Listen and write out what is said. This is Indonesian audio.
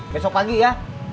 besok pagi ya